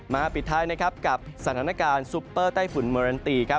มาปิดท้ายกับสถานการณ์ซุปเปอร์ไต้ฝุ่นเมอรันตี